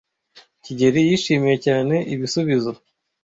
kigeli yishimiye cyane ibisubizo.